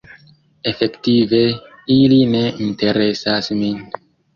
Efektive ili ne interesas min.